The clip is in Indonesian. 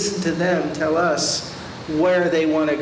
memberitahu kita kemana mereka mau pergi